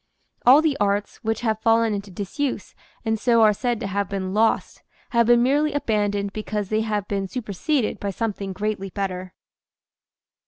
All the arts which have fallen into disuse and so are said to have been lost, have been merely abandoned because they have been superseded by something greatly better.